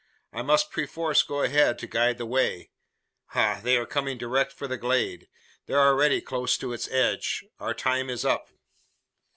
I must perforce go ahead to guide the way. Ha! they are coming direct for the glade. They're already close to its edge. Our time is up!"